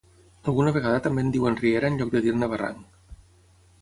Alguna vegada també en diuen riera en lloc de dir-ne barranc.